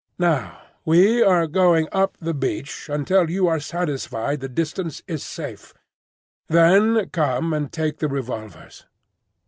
Now we are going up the beach until you are satisfied the distance is safe. Then come and take the revolvers."